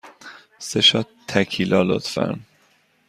سه شات تکیلا، لطفاً.